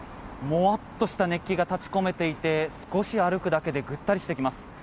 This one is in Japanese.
もわっとした熱気が立ち込めていて少し歩くだけでぐったりしてきます。